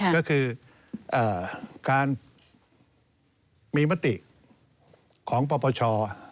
ก็คือการมีมติของประประชา